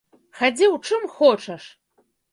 Хадзі ў чым хочаш!